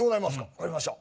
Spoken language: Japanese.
分かりました。